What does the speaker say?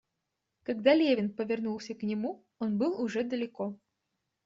Когда Левин повернулся к нему, он был уже далеко.